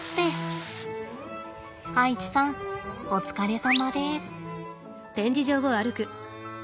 アイチさんお疲れさまです。